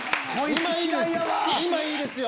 今いいですよ！